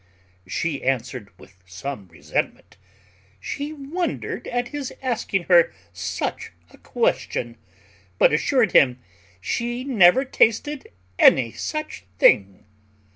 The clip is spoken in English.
She answered, with some resentment, "She wondered at his asking her such a question; but assured him she never tasted any such thing."